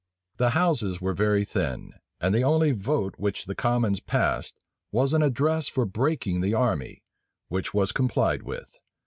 The houses were very thin; and the only vote which the commons passed, was an address for breaking the army; which was complied with.